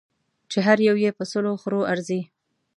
چې هر یو یې په سلو خرو ارزي.